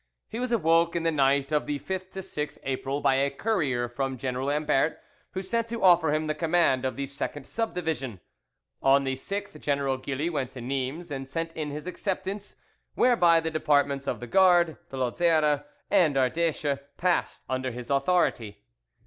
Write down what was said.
He was awoke in the night of the 5th 6th April by a courier from General Ambert, who sent to offer him the command of the 2nd Subdivision. On the 6th, General Gilly went to Nimes, and sent in his acceptance, whereby the departments of the Gard, the Lozere, and Ardeche passed under his authority.